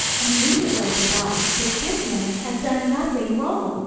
And we deserve to die, but this man has done nothing wrong."